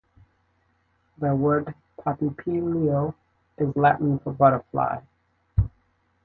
The word "papilio" is Latin for butterfly.